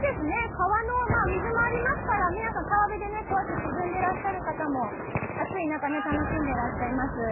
川の水もありますから、皆さん、川辺でこうやって涼んでらっしゃる方も、暑い中ね、楽しんでらっしゃいます。